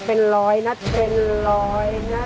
เป็นร้อยนะเป็นร้อยนะ